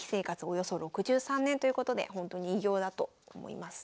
およそ６３年ということでほんとに偉業だと思います。